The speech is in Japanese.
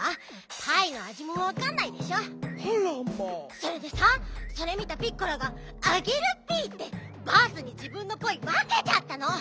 それでさそれ見たピッコラが「あげるッピ」ってバースにじぶんのパイわけちゃったの！